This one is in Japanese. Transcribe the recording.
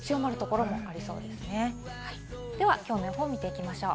ではきょうの予報を見ていきましょう。